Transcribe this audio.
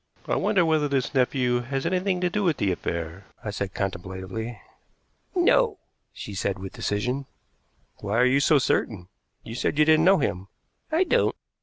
"I wonder whether this nephew has anything to do with the affair?" I said contemplatively. "No," she said with decision. "Why are you so certain? You said you didn't know him." "I don't."